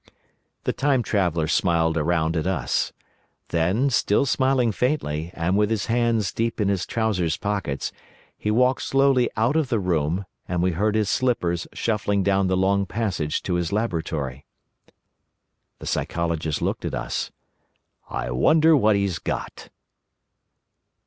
The Time Traveller smiled round at us. Then, still smiling faintly, and with his hands deep in his trousers pockets, he walked slowly out of the room, and we heard his slippers shuffling down the long passage to his laboratory. The Psychologist looked at us. "I wonder what he's got?"